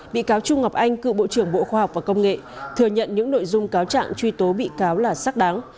bị cáo trung ngọc anh cựu bộ trưởng bộ khoa học và công nghệ thừa nhận những nội dung cáo trạng truy tố bị cáo là xác đáng